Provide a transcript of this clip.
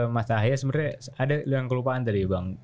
mas ahaye sebenarnya ada yang kelupaan tadi bang